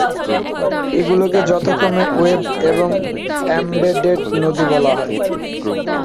এগুলোকে যথাক্রমে 'ওয়েব' এবং 'এম্বেডেড' নদী বলা হয়।